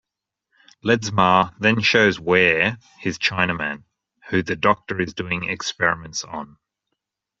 Ledsmar then shows Ware his Chinaman, who the doctor is doing experiments on.